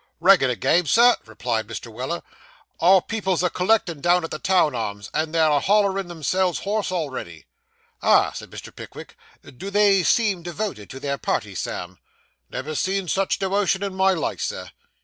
'Reg'lar game, sir,' replied Mr. Weller; 'our people's a collecting down at the Town Arms, and they're a hollering themselves hoarse already.' 'Ah,' said Mr. Pickwick, 'do they seem devoted to their party, Sam?' 'Never see such dewotion in my life, Sir.